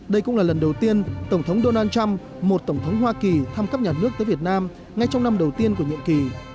đây cũng là lần đầu tiên tổng thống donald trump một tổng thống hoa kỳ thăm cấp nhà nước tới việt nam ngay trong năm đầu tiên của nhiệm kỳ